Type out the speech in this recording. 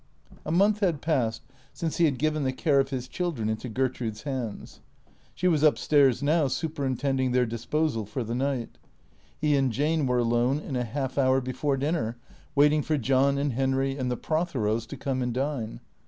A month had passed since he had given the care of his chil dren into Gertrude's hands. She was up stairs now superintend ing their disposal for the night. He and Jane were alone in a half hour before dinner, waiting for John and Henry and the Protheros to come and dine.